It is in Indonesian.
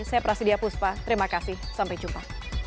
saya prasidya puspa terima kasih sampai jumpa